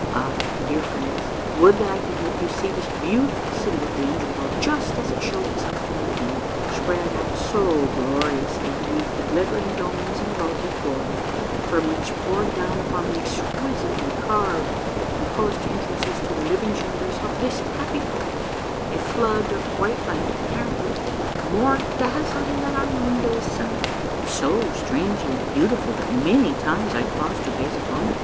Ah, dear friends, would that I could make you see this beau tiful city of the under world just as it showed itself to me then, spread out so gloriously beneath the glittering domes and vaulted corridors, from which poured down upon the exquisitely carved and polished entrances to the living chambers of this happy folk, a flood of white light apparently more dazzling than our noonday sun ! It was a sight so strangely beautiful that many times I paused to gaze upon it.